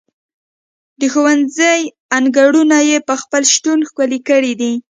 د ښوونځي انګړونه یې په خپل شتون ښکلي کړي دي.